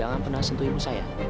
jangan pernah nyentuh ibu saya